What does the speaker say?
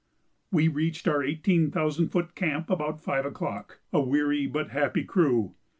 We reached our eighteen thousand foot camp about five o'clock, a weary but happy crew.